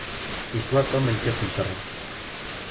Yeswa Tom lkas n ccrab.